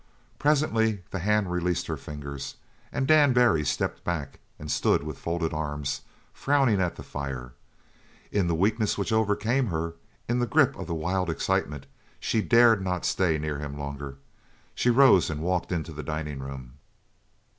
Presently the hand released her fingers, and Dan Barry stepped back and stood with folded arms, frowning at the fire. In the weakness which overcame her, in the grip of the wild excitement, she dared not stay near him longer. She rose and walked into the dining room.